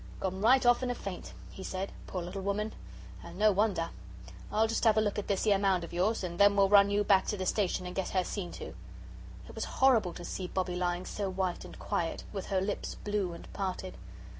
"Gone right off in a faint," he said, "poor little woman. And no wonder. I'll just 'ave a look at this 'ere mound of yours, and then we'll run you back to the station and get her seen to." It was horrible to see Bobbie lying so white and quiet, with her lips blue, and parted.